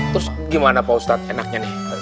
terus gimana pak ustadz enaknya nih